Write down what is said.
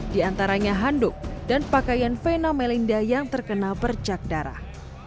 di antaranya handuk dan pakaian vena melinda yang terkena bercak darah